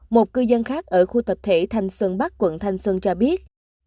một cư dân khác ở khu tập thể thanh sơn bắc quận thanh sơn cho biết